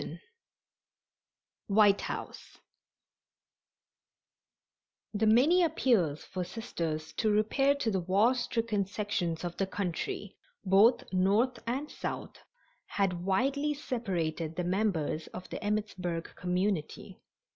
The many appeals for Sisters to repair to the war stricken sections of the country, both North and South, had widely separated the members of the Emmittsburg community.